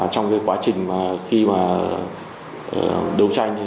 trong quá trình khi mà đấu tranh